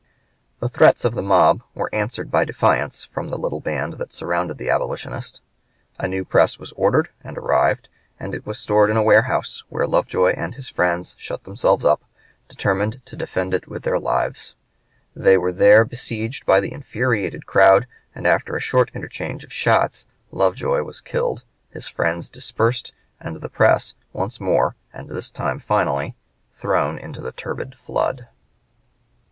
The threats of the mob were answered by defiance; from the little band that surrounded the abolitionist. A new press was ordered, and arrived, and was stored in a warehouse, where Lovejoy and his friends shut themselves up, determined to defend it with their lives. They were there besieged by the infuriated crowd, and after a short interchange of shots Lovejoy was killed, his friends dispersed, and the press once more and this time finally thrown into the turbid flood.